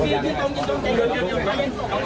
สวัสดีครับสวัสดีครับ